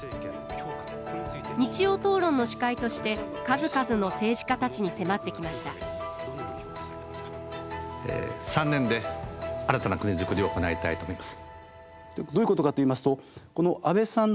「日曜討論」の司会として数々の政治家たちに迫ってきました３年で新たな国づくりを行いたいと思います。